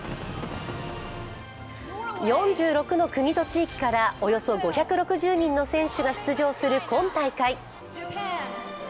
４６の国と地域からおよそ５６０人の選手が出場する今大会。